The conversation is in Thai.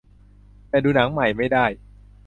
แต่ดูหนังใหม่ไม่ได้